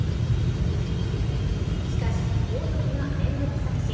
しかし後続が連続三振。